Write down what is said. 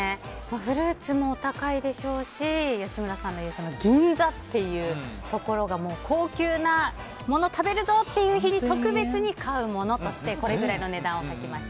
フルーツもお高いでしょうし吉村さんの言う銀座っていうところが高級なもの食べるぞっていう日に特別に買うものとしてこれぐらいの値段を書きました。